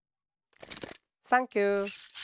サンキュー。